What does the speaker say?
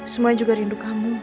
semua juga rindu kamu